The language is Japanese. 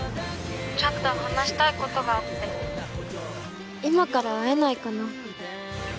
ちょっと話したいことがあって今から会えないかな